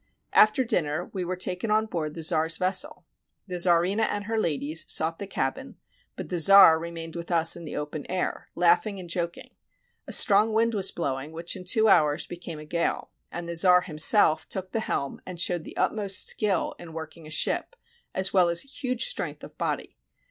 After dinner we were taken on board the czar's ves sel. The czarina and her ladies sought the cabin, but the czar remained with us in the open air, laughing and jok ing. A strong wind was blowing, which in two hours became a gale, and the czar himself took the helm and showed the utmost skill in working a ship, as well as huge strength of body.